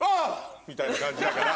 みたいな感じだから。